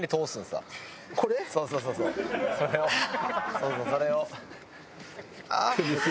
そうそうそれを。